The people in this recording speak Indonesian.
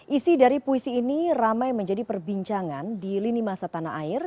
isi dari puisi ini ramai menjadi perbincangan di lini masa tanah air